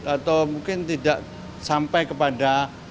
atau mungkin tidak sampai kepada